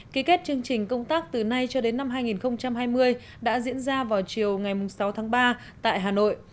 ký kết chương trình công tác từ nay cho đến năm hai nghìn hai mươi đã diễn ra vào chiều ngày sáu tháng ba tại hà nội